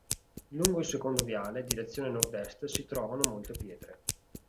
Lungo il secondo viale, direzione nord-est, si trovano molte pietre.